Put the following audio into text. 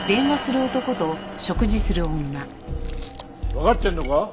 わかってるのか？